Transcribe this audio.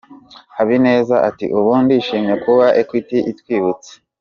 Habineza ati “Ubu ndishimye kuba Equity itwibutse.